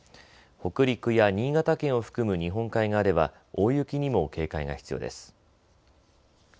北陸や新潟県を含む日本海側では大雪にも警戒が必要です。